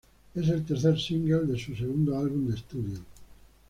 Es el tercer single de su segundo álbum de estudio.